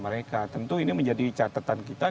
mereka tentu ini menjadi catatan kita